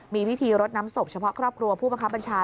มีพิธีรดน้ำศพเฉพาะครอบครัวผู้บังคับบัญชา